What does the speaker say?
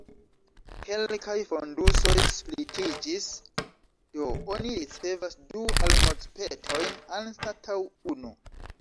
Kelkaj fondusoj splitiĝis, do oni ricevas du almozpetojn anstataŭ unu.